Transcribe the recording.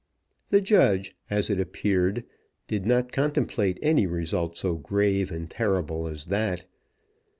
The judge, as it appeared, did not contemplate any result so grave and terrible as that.